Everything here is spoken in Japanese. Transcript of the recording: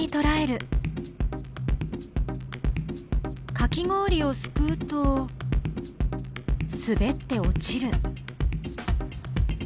かき氷をすくうとすべって落ちる。